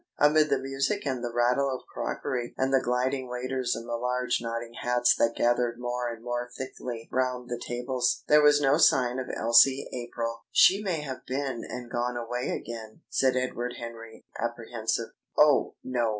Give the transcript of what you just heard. Amid the music and the rattle of crockery and the gliding waiters and the large nodding hats that gathered more and more thickly round the tables, there was no sign of Elsie April. "She may have been and gone away again," said Edward Henry, apprehensive. "Oh, no!